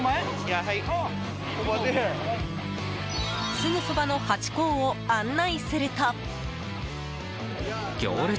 すぐそばのハチ公を案内すると。